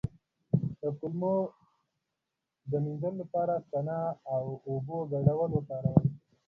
د کولمو د مینځلو لپاره د سنا او اوبو ګډول وکاروئ